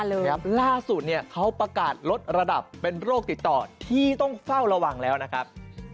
ล่าสุดเนี่ยเขาประกาศลดระดับเป็นโรคติดต่อที่ต้องเฝ้าระวังแล้วนะครับ